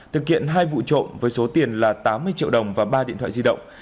thực hiện hai vụ trộm với số tiền là tám mươi triệu đồng và ba điện thoại di động